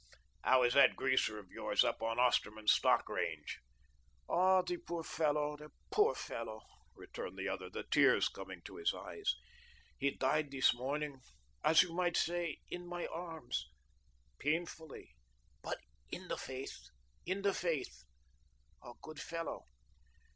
How is that greaser of yours up on Osterman's stock range?" "Ah, the poor fellow the poor fellow," returned the other, the tears coming to his eyes. "He died this morning as you might say, in my arms, painfully, but in the faith, in the faith. A good fellow."